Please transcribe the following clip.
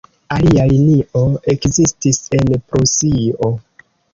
Alia linio ekzistis en Prusio.